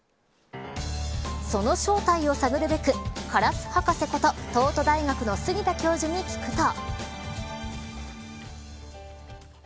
その正体を探るべくカラス博士こと東都大学の杉田教授に聞くと。